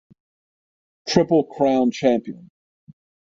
Triple Crown Champion.